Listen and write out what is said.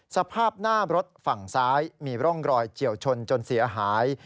สภาพหน้ารถฝั่งซ้ายมีร่องรอยเฉียวชนจนเสียหาย